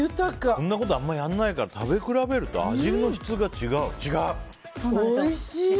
こんなことあまりやらないから食べ比べると味の質が違う。